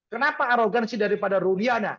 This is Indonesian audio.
kenapa arogansi daripada ruliana